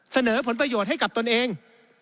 เสนอผลประโยชน์ให้กับตนเอง